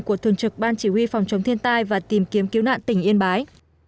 của thường trực ban chỉ huy phòng chống thiên tai và tìm kiếm cứu nạn tỉnh yên bái